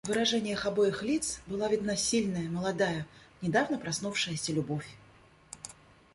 В выражениях обоих лиц была видна сильная, молодая, недавно проснувшаяся любовь.